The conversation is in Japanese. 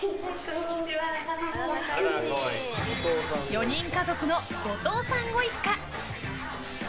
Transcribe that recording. ４人家族の後藤さんご一家。